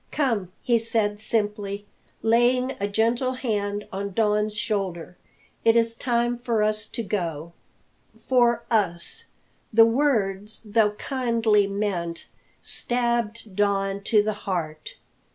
"Come," he said simply, laying a gentle hand on Don's shoulder, "it is time for us to go." "For us!" The words, though kindly meant stabbed Don to the heart.